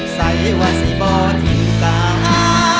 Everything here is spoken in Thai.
ใส่ว่าสิบอทิตา